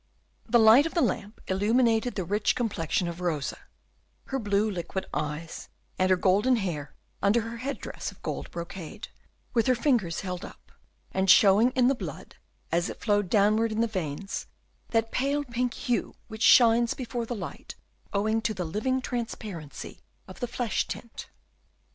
The light of the lamp illuminated the rich complexion of Rosa, her blue liquid eyes, and her golden hair under her head dress of gold brocade, with her fingers held up, and showing in the blood, as it flowed downwards in the veins that pale pink hue which shines before the light owing to the living transparency of the flesh tint.